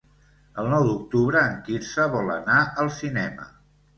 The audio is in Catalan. El nou d'octubre en Quirze vol anar al cinema.